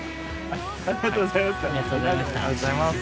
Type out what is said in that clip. ありがとうございます。